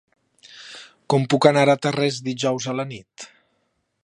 Com puc anar a Tarrés dijous a la nit?